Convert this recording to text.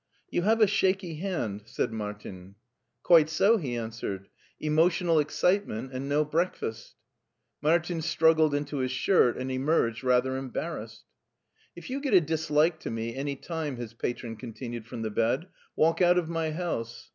" You have a shaky hand," said Martin. "Quite so," he answered, *' emotional excitement and no breakfast." Martin struggled into his shirt and emerged rather embarrassed. " If you get a dislike to me any time," his patron ccmtinued from the bed, "walk out of my house.